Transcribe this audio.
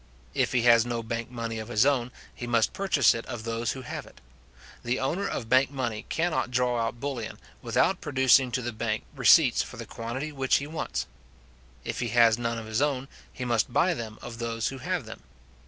If he has no bank money of his own, he must purchase it of those who have it. The owner of bank money cannot draw out bullion, without producing to the bank receipts for the quantity which he wants. If he has none of his own, he must buy them of those who have them.